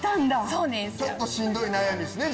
ちょっとしんどい悩みっすね